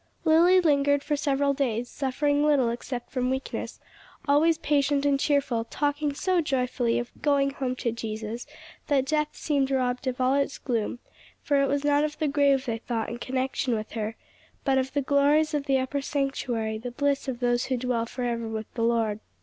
Lily lingered for several days, suffering little except from weakness, always patient and cheerful, talking so joyfully of "going home to Jesus," that death seemed robbed of all its gloom; for it was not of the grave they thought in connection with her, but of the glories of the upper sanctuary, the bliss of those who dwell forever with the Lord.